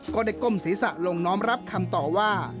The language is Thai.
ก้มศีรษะลงน้อมรับคำตอบว่า